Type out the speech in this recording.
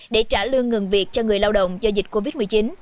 để trả lương ngừng việc cho người lao động do dịch covid một mươi chín